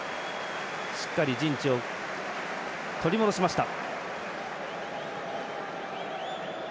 しっかり陣地を取り戻しました。